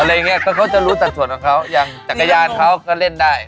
อะไรอย่างเงี้ยก็เขาจะรู้สัดส่วนของเขาอย่างจักรยานเขาก็เล่นได้